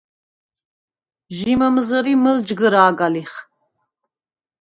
ჟი მჷმზჷრი მჷლჯგჷრა̄გა ლიხ.